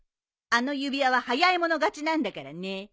あの指輪は早い者勝ちなんだからね。